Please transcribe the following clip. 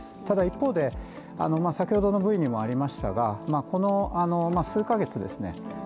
ただ一方で、先ほどのＶにもありましたが、数ヶ月ですね。